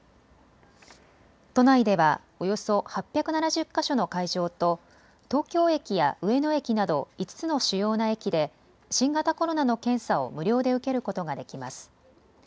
都内ではおよそ８７０か所の会場と東京駅や上野駅など５つの主要な駅で新型コロナの検査を無料で受けることができます。